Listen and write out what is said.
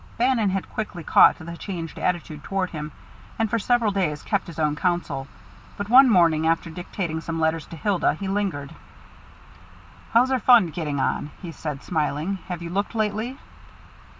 Bannon had quickly caught the changed attitude toward him, and for several days kept his own counsel. But one morning, after dictating some letters to Hilda, he lingered. "How's our fund getting on?" he said, smiling. "Have you looked lately?"